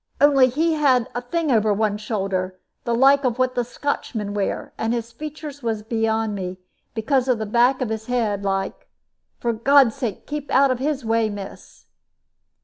"Only he had a thing over one shoulder, the like of what the Scotchmen wear; and his features was beyond me, because of the back of his head, like. For God's sake keep out of his way, miss."